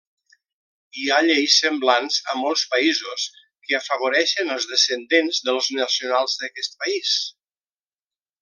Hi ha lleis semblants a molts països que afavoreixen els descendents dels nacionals d'aquest país.